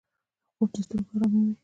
خوب د سترګو آراموي